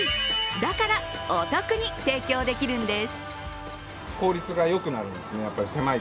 だからお得に提供できるんです。